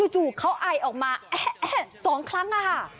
จู่เขาไอออกมา๒ครั้งค่ะ